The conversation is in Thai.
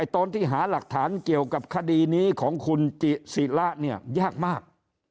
ตอนที่หาหลักฐานเกี่ยวกับคดีนี้ของคุณจิศิละเนี่ยยากมาก